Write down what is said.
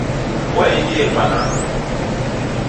Waendie panana.